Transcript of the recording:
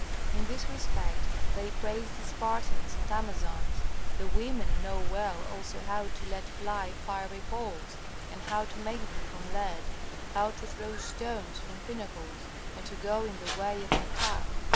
In this respect they praise the Spartans and Amazons. The women know well also how to let fly fiery balls, and how to make them from lead; how to throw stones from pinnacles and to go in the way of an attack.